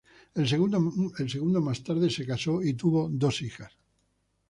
El segundo más tarde se casó y tuvo dos hijas.